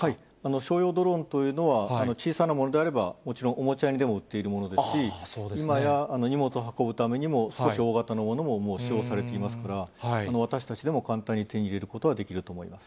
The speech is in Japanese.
商用ドローンというのは、小さなものであれば、もちろんおもちゃ屋にも売っているものですし、今や荷物を運ぶためにも、少し大型のものも使用されていますから、私たちでも簡単に手に入れることができると思います。